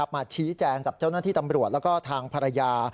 มาชี้แจงกับเจ้าหน้าที่ตำรวจแล้วก็ทางภรรยา